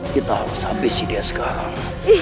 kita harus apresi dia sekarang